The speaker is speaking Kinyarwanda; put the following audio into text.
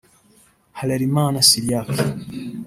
Harerimana Cyriaque